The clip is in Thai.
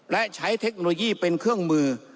และใช้เทคโนโลยีเป็นเครื่องมือ